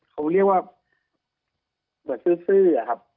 เขาเรียกว่าเหมือนซื้ออะครับ